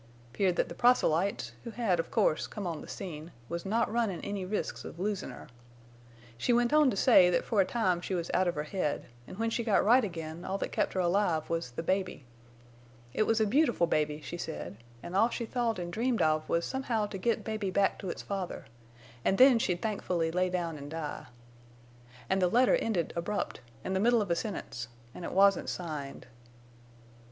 'Peared that the proselytes, who had, of course, come on the scene, was not runnin' any risks of losin' her. She went on to say that for a time she was out of her head, an' when she got right again all that kept her alive was the baby. It was a beautiful baby, she said, an' all she thought an' dreamed of was somehow to get baby back to its father, an' then she'd thankfully lay down and die. An' the letter ended abrupt, in the middle of a sentence, en' it wasn't signed.